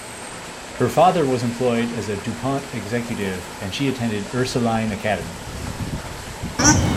Her father was employed as a DuPont executive and she attended Ursuline Academy.